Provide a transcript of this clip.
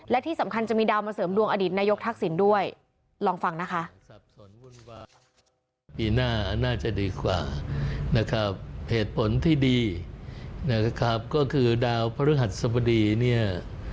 และที่สำคัญจะมีดาวน์มาเสริมดวงอดีตนายกทักศิลป์ด้วย